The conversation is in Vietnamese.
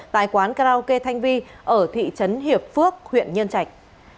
tại quán karaoke thanh vi ở thị trấn hiệp phước huyện nhân trạch